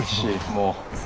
もう。